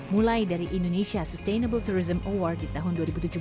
mulai dari indonesia sustainable tourism award di tahun dua ribu tujuh belas